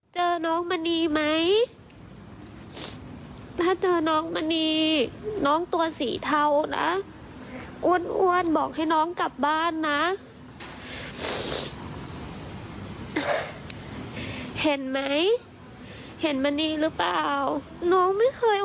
เจอน้องมณีไหม